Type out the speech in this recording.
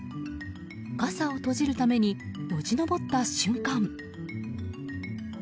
傘を閉じるためによじ登った瞬間。